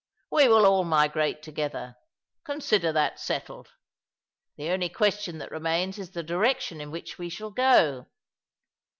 We will all migrate together. Consider that settled. The only question that remains is the direction in which we shall go.